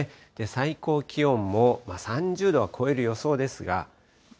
最高気温も３０度は超える予想ですが。